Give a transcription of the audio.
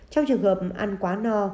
trong trường hợp ăn quá no